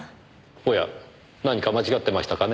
おや何か間違ってましたかね？